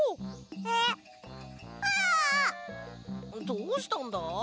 どうしたんだ？